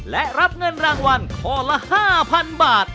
และรับเงินรางวัลข้อละ๕๐๐๐บาท